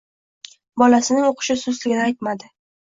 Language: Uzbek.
Bolasining o‘qishi sustligini aytmadi.